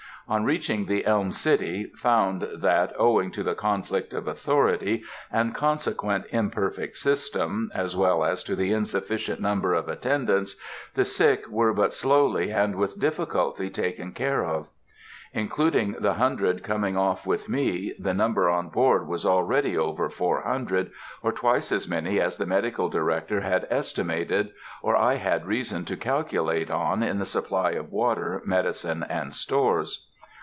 On reaching the Elm City, found that, owing to the conflict of authority, and consequent imperfect system, as well as to the insufficient number of attendants, the sick were but slowly and with difficulty taken care of. Including the hundred coming off with me, the number on board was already over four hundred, or twice as many as the Medical Director had estimated, or I had had reason to calculate on in the supply of water, medicine, and stores.